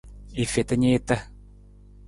I feta niita.